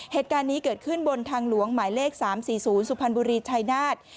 เหตุการณ์นี้เกิดขึ้นบนทางหลวงหมายเลข๓๔๐สุพรรณบุรีชายนาฏ